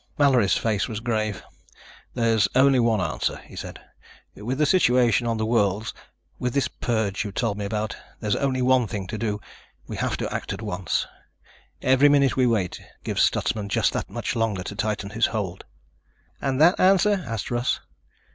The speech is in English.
Mallory's face was grave. "There's only one answer," he said. "With the situation on the worlds, with this purge you told me about, there's only one thing to do. We have to act at once. Every minute we wait gives Stutsman just that much longer to tighten his hold." "And that answer?" asked Russ.